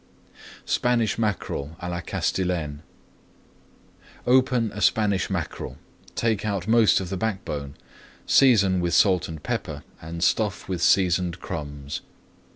SPANISH MACKEREL À LA CASTILLANE Open a Spanish mackerel, take out most of the backbone, season with salt and pepper, and stuff with seasoned crumbs.